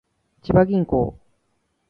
千葉銀行